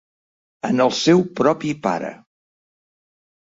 En el seu propi pare.